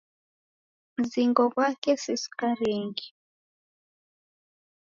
Mzingo ghwake si sukari ingi.